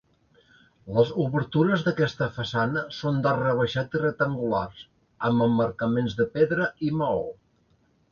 Les obertures d'aquesta façana són d'arc rebaixat i rectangulars, amb emmarcaments de pedra i maó.